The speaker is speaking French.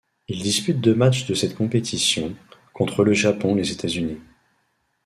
Il dispute deux matchs de cette compétition, contre le Japon et les États-Unis.